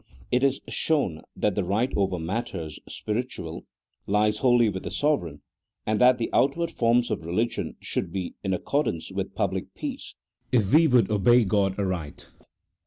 IT IS SHOWN THAT THE RIGHT OVER MATTERS SPIRITUAL LIES WHOLLY WITH THE SOVEREIGN, AND THAT THE OUT WARD FORMS OF RELIGION SHOULD BE IN ACCORDANCE WITH PUBLIC PEACE, IF WE WOULD OBEY GOD ARIGHT.